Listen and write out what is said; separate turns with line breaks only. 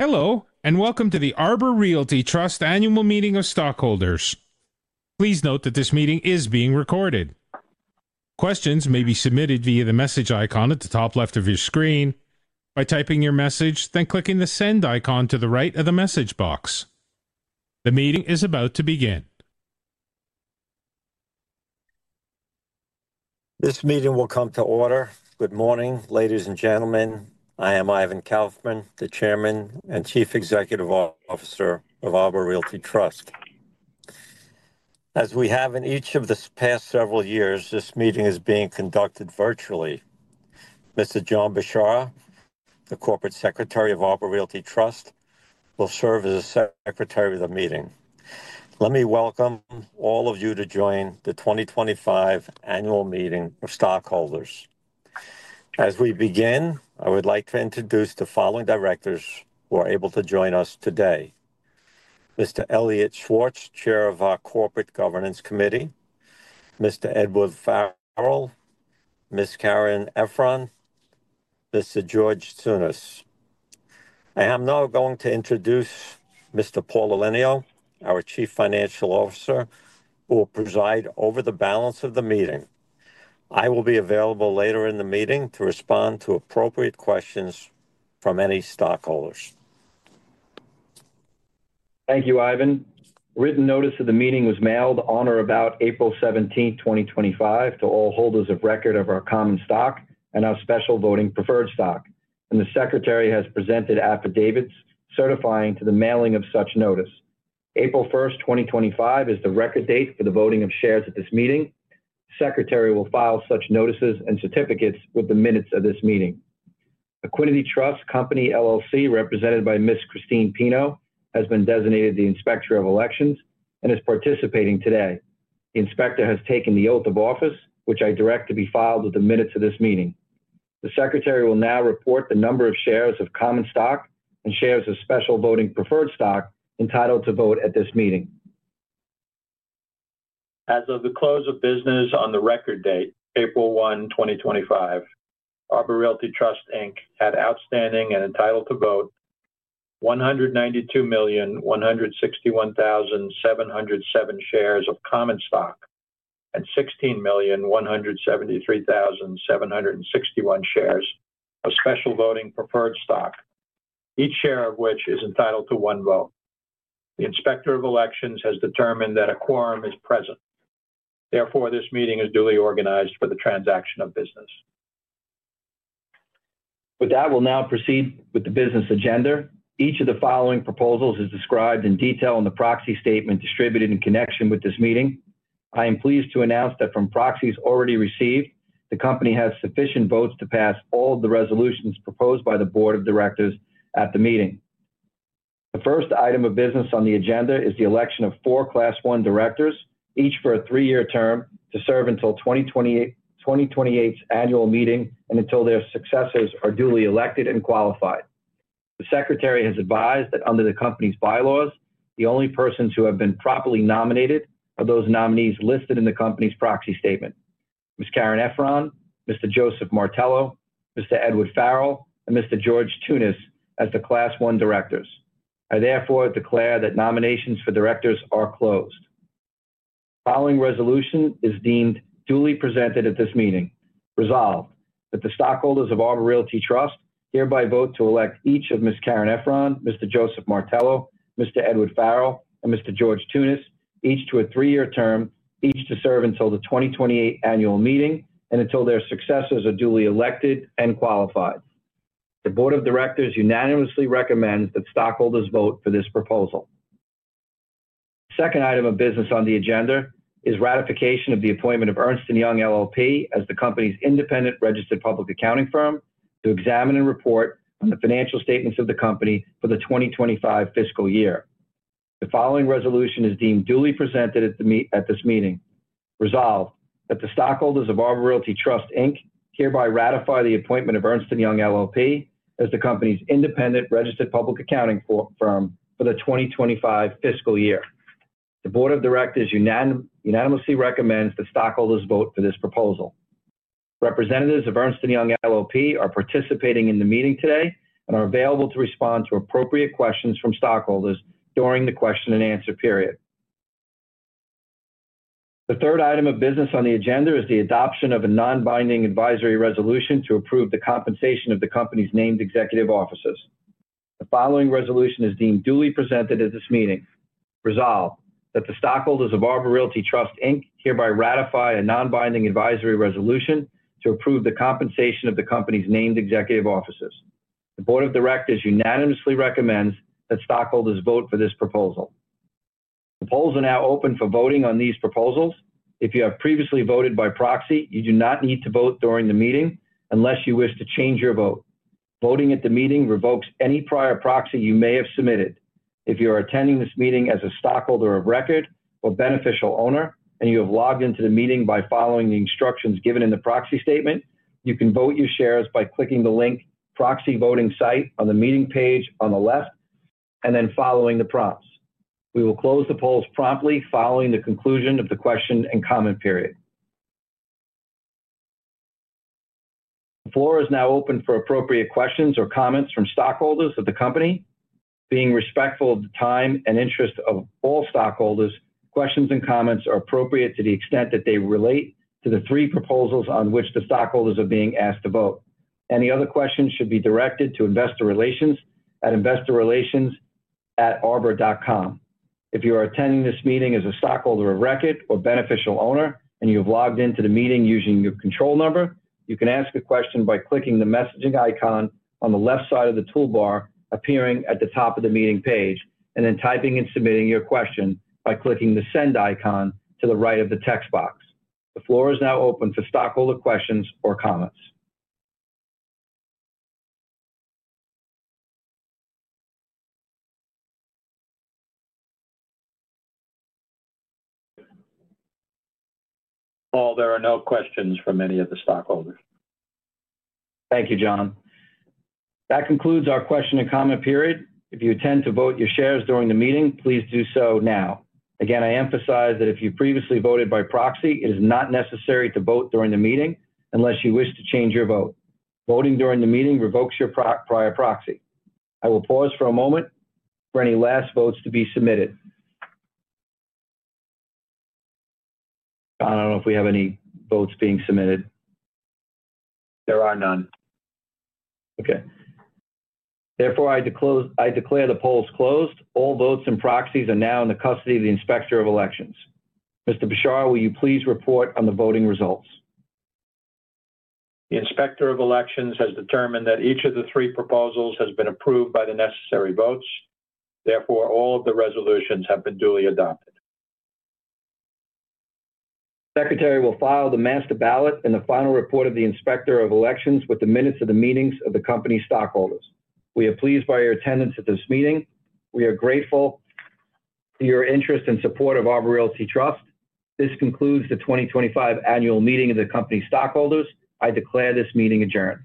Hello, and welcome to the Arbor Realty Trust annual meeting of stockholders. Please note that this meeting is being recorded. Questions may be submitted via the message icon at the top left of your screen. By typing your message, then clicking the send icon to the right of the message box. The meeting is about to begin.
This meeting will come to order. Good morning, ladies and gentlemen. I am Ivan Kaufman, the Chairman and Chief Executive Officer of Arbor Realty Trust. As we have in each of the past several years, this meeting is being conducted virtually. Mr. John Bishar, the Corporate Secretary of Arbor Realty Trust, will serve as secretary of the meeting. Let me welcome all of you to join the 2025 annual meeting of stockholders. As we begin, I would like to introduce the following directors who are able to join us today: Mr. Elliot Schwartz, Chair of our Corporate Governance Committee; Mr. Edward Farrell; Ms. Caryn Effron; Mr. George Tsunis. I am now going to introduce Mr. Paul Elenio, our Chief Financial Officer, who will preside over the balance of the meeting. I will be available later in the meeting to respond to appropriate questions from any stockholders.
Thank you, Ivan. Written notice of the meeting was mailed on or about April 17, 2025, to all holders of record of our common stock and our special voting preferred stock, and the Secretary has presented affidavits certifying to the mailing of such notice. April 1, 2025, is the record date for the voting of shares at this meeting. The Secretary will file such notices and certificates with the minutes of this meeting. Equiniti Trust Company LLC, represented by Ms. Christine Pino, has been designated the Inspector of Elections and is participating today. The Inspector has taken the oath of office, which I direct to be filed with the minutes of this meeting. The Secretary will now report the number of shares of common stock and shares of special voting preferred stock entitled to vote at this meeting.
As of the close of business on the record date, April 1, 2025, Arbor Realty Trust had outstanding and entitled to vote 192,161,707 shares of common stock and 16,173,761 shares of special voting preferred stock, each share of which is entitled to one vote. The Inspector of Elections has determined that a quorum is present. Therefore, this meeting is duly organized for the transaction of business.
With that, we'll now proceed with the business agenda. Each of the following proposals is described in detail in the proxy statement distributed in connection with this meeting. I am pleased to announce that from proxies already received, the company has sufficient votes to pass all of the resolutions proposed by the Board of Directors at the meeting. The first item of business on the agenda is the election of four Class 1 directors, each for a three-year term, to serve until 2028's annual meeting and until their successors are duly elected and qualified. The Secretary has advised that under the company's bylaws, the only persons who have been properly nominated are those nominees listed in the company's proxy statement: Ms. Caryn Effron, Mr. Joseph Martello, Mr. Edward Farrell, and Mr. George Tsunis as the Class 1 directors. I therefore declare that nominations for directors are closed. The following resolution is deemed duly presented at this meeting. Resolved that the stockholders of Arbor Realty Trust hereby vote to elect each of Ms. Caryn Effron, Mr. Joseph Martello, Mr. Edward Farrell, and Mr. George Tsunis, each to a three-year term, each to serve until the 2028 annual meeting and until their successors are duly elected and qualified. The Board of Directors unanimously recommends that stockholders vote for this proposal. The second item of business on the agenda is ratification of the appointment of Ernst & Young LLP as the company's independent registered public accounting firm to examine and report on the financial statements of the company for the 2025 fiscal year. The following resolution is deemed duly presented at this meeting. Resolved that the stockholders of Arbor Realty Trust. hereby ratify the appointment of Ernst & Young LLP as the company's independent registered public accounting firm for the 2025 fiscal year. The Board of Directors unanimously recommends the stockholders vote for this proposal. Representatives of Ernst & Young LLP are participating in the meeting today and are available to respond to appropriate questions from stockholders during the question-and-answer period. The third item of business on the agenda is the adoption of a non-binding advisory resolution to approve the compensation of the company's named executive officers. The following resolution is deemed duly presented at this meeting. Resolved that the stockholders of Arbor Realty Trust hereby ratify a non-binding advisory resolution to approve the compensation of the company's named executive officers. The Board of Directors unanimously recommends that stockholders vote for this proposal. The polls are now open for voting on these proposals. If you have previously voted by proxy, you do not need to vote during the meeting unless you wish to change your vote. Voting at the meeting revokes any prior proxy you may have submitted. If you are attending this meeting as a stockholder of record or beneficial owner and you have logged into the meeting by following the instructions given in the proxy statement, you can vote your shares by clicking the link "Proxy Voting Site" on the meeting page on the left and then following the prompts. We will close the polls promptly following the conclusion of the question and comment period. The floor is now open for appropriate questions or comments from stockholders of the company. Being respectful of the time and interest of all stockholders, questions and comments are appropriate to the extent that they relate to the three proposals on which the stockholders are being asked to vote. Any other questions should be directed to Investor Relations at investorrelations@arbor.com. If you are attending this meeting as a stockholder of record or beneficial owner and you have logged into the meeting using your control number, you can ask a question by clicking the messaging icon on the left side of the toolbar appearing at the top of the meeting page and then typing and submitting your question by clicking the send icon to the right of the text box. The floor is now open for stockholder questions or comments.
Paul, there are no questions from any of the stockholders.
Thank you, John. That concludes our question and comment period. If you intend to vote your shares during the meeting, please do so now. Again, I emphasize that if you previously voted by proxy, it is not necessary to vote during the meeting unless you wish to change your vote. Voting during the meeting revokes your prior proxy. I will pause for a moment for any last votes to be submitted.
John, I do not know if we have any votes being submitted.
There are none. Okay. Therefore, I declare the polls closed. All votes and proxies are now in the custody of the Inspector of Elections. Mr. Bishar, will you please report on the voting results?
The Inspector of Elections has determined that each of the three proposals has been approved by the necessary votes. Therefore, all of the resolutions have been duly adopted.
The Secretary will file the master ballot and the final report of the Inspector of Elections with the minutes of the meetings of the company's stockholders. We are pleased by your attendance at this meeting. We are grateful for your interest and support of Arbor Realty Trust. This concludes the 2025 Annual Meeting of the Company's Stockholders. I declare this meeting adjourned.